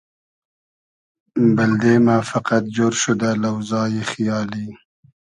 بئلدئ مۂ فئقئد جۉر شودۂ لۆزای خیالی